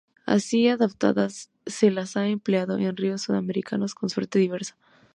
Así adaptadas, se las ha empleado en ríos sudamericanos, con suerte diversa.